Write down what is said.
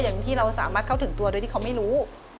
อย่างที่เราสามารถเข้าถึงตัวโดยที่เขาไม่รู้